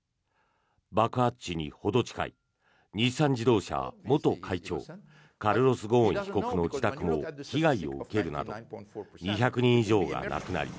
爆発地にほど近い日産自動車元会長カルロス・ゴーン被告の自宅も被害を受けるなど２００人以上が亡くなり